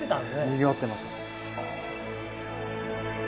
にぎわってました。